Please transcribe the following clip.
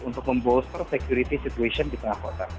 untuk membolster security situation di tengah kota